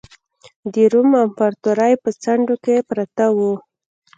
د روم امپراتورۍ په څنډو کې پراته وو.